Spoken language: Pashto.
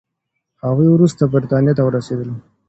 هغوی وروسته بریتانیا ته ورسېدل.